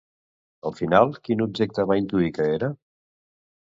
Al final, quin objecte va intuir que era?